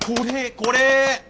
これ！